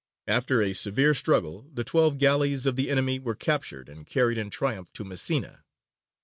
After a severe struggle the twelve galleys of the enemy were captured and carried in triumph to Messina.